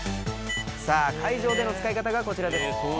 さぁ会場での使い方がこちらです。